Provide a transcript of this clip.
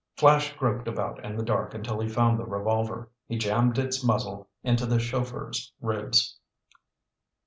Flash groped about in the dark until he found the revolver. He jammed its muzzle into the chauffeur's ribs.